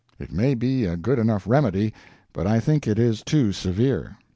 It may be a good enough remedy, but I think it is too severe.